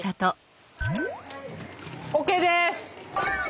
ＯＫです。